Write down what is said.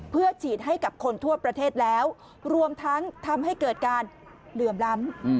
เพื่อฉีดให้กับคนทั่วประเทศแล้วรวมทั้งทำให้เกิดการเหลื่อมล้ำ